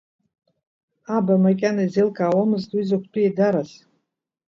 Аба макьана изеилкаауамызт уи закәтәы еидараз.